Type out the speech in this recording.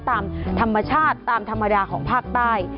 ตามธรรมชาติตามธรรมดาของภาคใต้